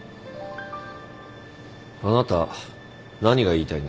あなた何が言いたいんですか。